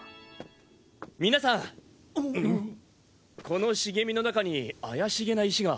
この茂みの中に怪しげな石が。